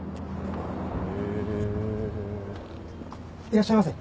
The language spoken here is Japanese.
いらっしゃいませ。